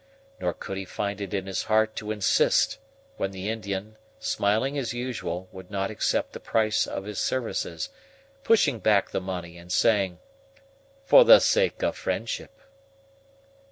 Nor could he find it in his heart to insist, when the Indian, smiling as usual, would not accept the price of his services, pushing back the money, and saying: "For the sake of friendship."